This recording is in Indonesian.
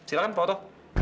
silahkan pak oto